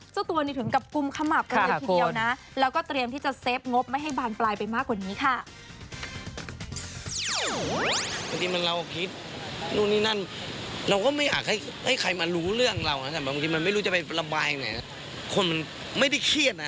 เจ้าตัวนี้ถึงกับกุมขมับไปเลยทีเดียวนะ